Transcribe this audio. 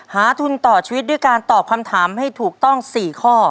ทุนต่อชีวิตด้วยการตอบคำถามให้ถูกต้อง๔ข้อ